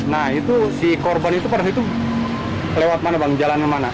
nah itu si korban itu pada waktu itu lewat mana bang jalan ke mana